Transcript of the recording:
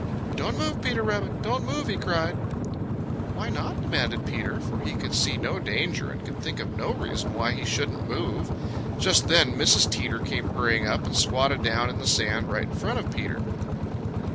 "Don't move, Peter Rabbit! Don't move!" he cried. "Why not?" demanded Peter, for he could see no danger and could think of no reason why he shouldn't move. Just then Mrs. Teeter came hurrying up and squatted down in the sand right in front of Peter.